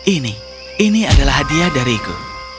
ini ini adalah hadiah dariku